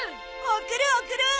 送る送る！